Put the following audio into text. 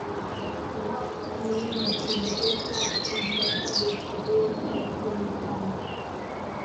He helped Cameroon become the first African team to reach the World Cup quarter-finals.